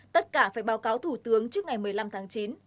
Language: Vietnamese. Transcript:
tất cả phải báo cáo thủ tướng trước ngày một mươi năm tháng chín